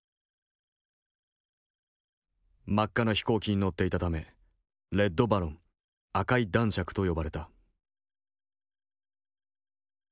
真っ赤な飛行機に乗っていたためレッド・バロン赤い男爵と呼ばれた。